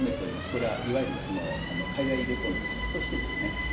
これはいわゆる海外旅行の先としてですね。